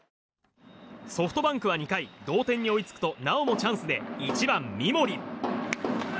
ソフトバンクは２回同点に追いつくとなおもチャンスで１番、三森。